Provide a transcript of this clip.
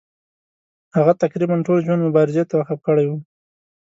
هغه تقریبا ټول ژوند مبارزې ته وقف کړی وو.